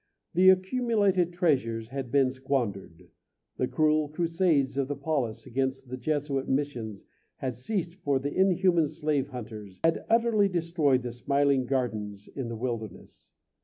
The accumulated treasures had been squandered. The cruel crusades of the Paulists against the Jesuit missions had ceased for the inhuman slave hunters had utterly destroyed the smiling gardens in the wilderness.